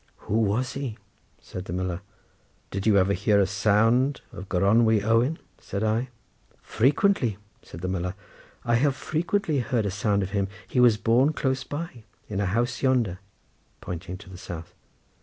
"Who was he?" said the miller. "Did you ever hear a sound of Gronwy Owen?" said I. "Frequently," said the miller; "I have frequently heard a sound of him. He was born close by in a house yonder," pointing to the south.